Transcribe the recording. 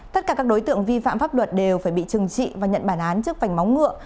tất cả các đối tượng vi phạm pháp luật đều phải bị trừng trị và nhận bản án trước vành móng ngựa